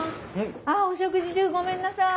あっお食事中ごめんなさい。